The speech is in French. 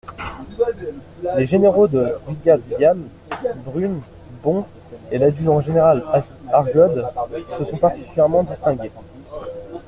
Les généraux de brigade Vial, Brune, Bon, et l'adjudant-général Argod se sont particulièrement distingués.